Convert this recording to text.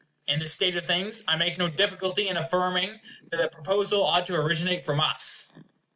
In this state of things, I make no difficulty in affirming that the proposal ought to originate from us.